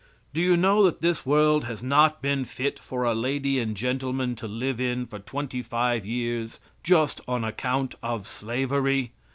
Do you know that this world has not been fit for a lady and gentleman to live in for twenty five years, just on account of slavery.